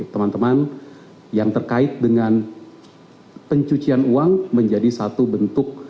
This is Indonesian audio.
teman teman yang terkait dengan pencucian uang menjadi satu bentuk